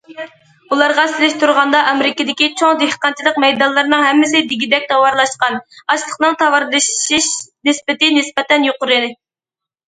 ئۇلارغا سېلىشتۇرغاندا، ئامېرىكىدىكى چوڭ دېھقانچىلىق مەيدانلىرىنىڭ ھەممىسى دېگۈدەك تاۋارلاشقان، ئاشلىقنىڭ تاۋارلىشىش نىسبىتى نىسبەتەن يۇقىرى.